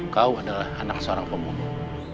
kau adalah anak seorang pemulung